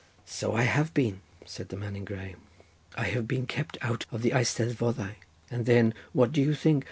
"So I have been," said the man in grey, "I have been kept out of the eisteddfodau—and then—what do you think?